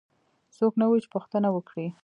څوک نه وو چې پوښتنه وکړي.